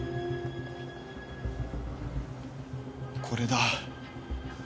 これだ。